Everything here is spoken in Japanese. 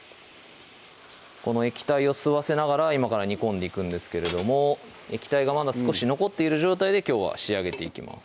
この液体を吸わせながら今から煮込んでいくんですけども液体がまだ少し残っている状態できょうは仕上げていきます